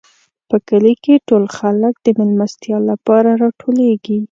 په کلي کې ټول خلک د مېلمستیا لپاره راټولېږي.